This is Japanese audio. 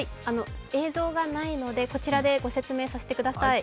映像がないので、こちらでご説明させてください。